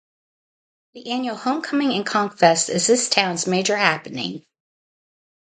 The annual "Homecoming and Conch Fest" is this towns major happening.